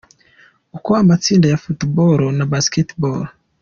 Uko amatsinda ya Football na Basketball.